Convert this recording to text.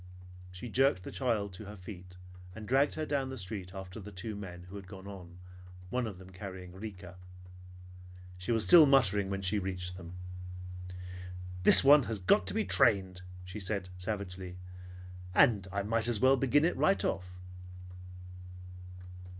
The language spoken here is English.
She jerked the child to her feet and dragged her down the street after the two men who had gone on, one of them carrying Rika. She was still muttering when she reached them. "This one has got to be trained," she said savagely; "and I might as well begin it right off."